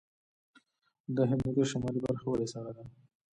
د هندوکش شمالي برخه ولې سړه ده؟